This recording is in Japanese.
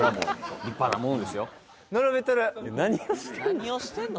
何をしてんの？